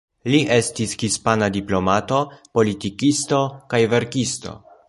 Li estis hispana diplomato, politikisto kaj verkisto.